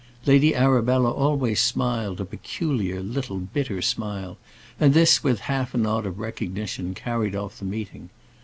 Lady Arabella always smiled a peculiar, little, bitter smile, and this, with half a nod of recognition, carried off the meeting.